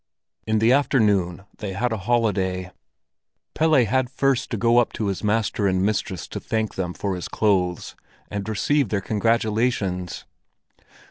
In the afternoon they had a holiday. Pelle had first to go up to his master and mistress to thank them for his clothes and receive their congratulations.